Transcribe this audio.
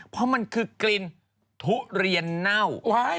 เพราะมันคือกลิ่นทุเรียนเน่า